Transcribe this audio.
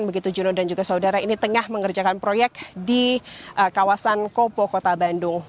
begitu jono dan juga saudara ini tengah mengerjakan proyek di kawasan kopo kota bandung